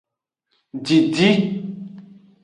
Didi.